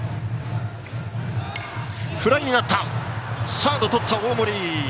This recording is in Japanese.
サードとった、大森。